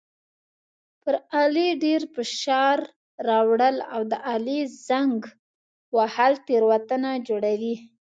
پر آلې ډېر فشار راوړل او د آلې زنګ وهل تېروتنه جوړوي.